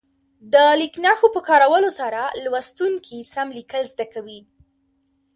د لیک نښو په کارولو سره لوستونکي سم لیکل زده کوي.